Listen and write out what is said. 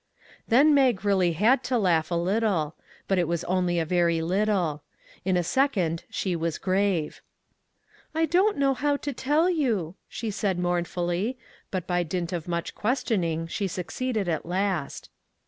Then Mag really had to laugh a little; but it was only a very little. In a second she was grave. " I don't know how to tell you," she said mournfully. But by dint of much questioning, she succeeded at last.